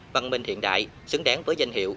văn minh hiện đại xứng đáng với danh hiệu